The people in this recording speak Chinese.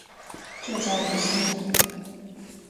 浙江吴兴人。